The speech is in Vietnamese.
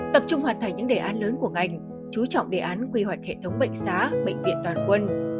tập trung hoàn thành những đề án lớn của ngành chú trọng đề án quy hoạch hệ thống bệnh xá bệnh viện toàn quân